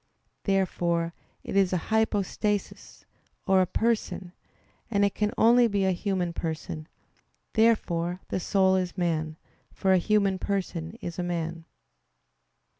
Therefore it is a "hypostasis" or a person; and it can only be a human person. Therefore the soul is man; for a human person is a man.